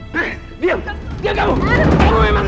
hei diam diam kamu